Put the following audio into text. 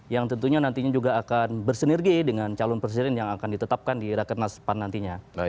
yang tentunya nantinya juga akan bersinergi dengan calon presiden yang akan ditetapkan di rakernas pan nantinya